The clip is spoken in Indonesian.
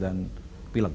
di banyak daerah